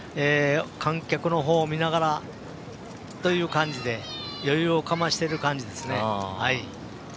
観客のほうを見ながらという感じで余裕をかましてる感じですね。